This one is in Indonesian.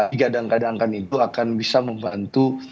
jika ada angka angka nidu akan bisa membantu